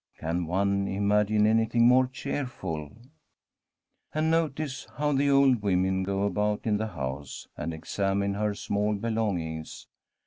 Can one imagine anything more cheerful ? And notice how the old women go about in the house and examine her small belongings.